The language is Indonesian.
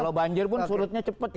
kalau banjir pun surutnya cepet gitu loh